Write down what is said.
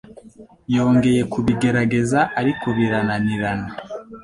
Yongeye kubigerageza, ariko birananirana.